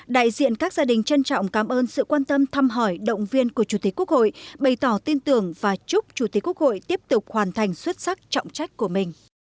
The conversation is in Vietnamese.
đại diện các gia đình trân trọng cảm ơn sự quan tâm thăm hỏi động viên của chủ tịch quốc hội bày tỏ tin tưởng và chúc chủ tịch quốc hội tiếp tục hoàn thành xuất sắc trọng trách của mình